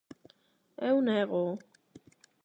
Eu négoo.